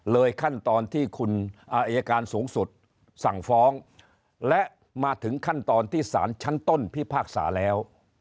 ขั้นตอนที่คุณอายการสูงสุดสั่งฟ้องและมาถึงขั้นตอนที่สารชั้นต้นพิพากษาแล้ว